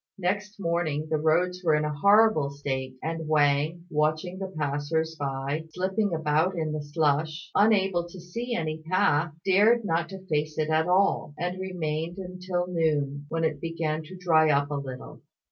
Next morning the roads were in a horrible state; and Wang, watching the passers by slipping about in the slush, unable to see any path, dared not face it all, and remained until noon, when it began to dry up a little.